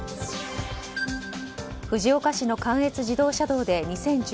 藤岡市の関越自動車道で２０１２年